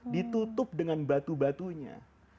ditutup dengan batu batunya